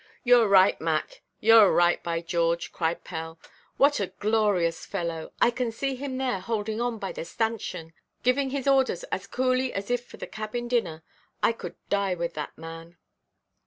"Youʼre right, Mac; youʼre right, by George!" cried Pell. "What a glorious fellow! I can see him there holding on by the stanchion, giving his orders as coolly as if for the cabin dinner. I could die with that man."